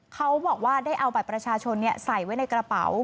เขาบอกว่าได้เอาบัตรประชาชนใส่ไว้ในกระเป๋า